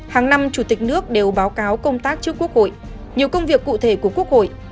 hàng năm chủ tịch nước đều báo cáo công tác trước quốc hội nhiều công việc cụ thể của quốc hội